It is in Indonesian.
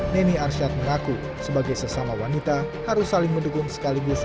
neni arsyad mengaku sebagai sesama wanita harus saling mendukung sekaligus